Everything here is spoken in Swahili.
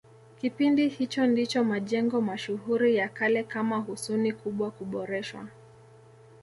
Kipindi hicho ndicho majengo mashuhuri ya kale kama Husuni Kubwa kuboreshwa